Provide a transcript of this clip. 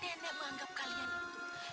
nenek menganggap kalian